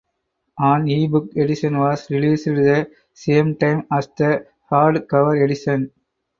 An ebook edition was released the same time as the hardcover edition.